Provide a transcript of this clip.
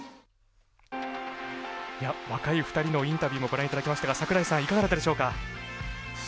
若い２人のインタビューもご覧いただきましたが櫻井さんいかがだったでしょうか？